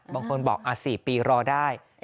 บางคนบอกอ่าสี่ปีรอได้